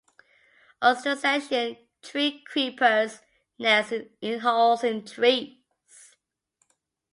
Australasian treecreepers nest in holes in trees.